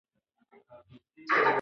خپل استعداد کشف کړئ.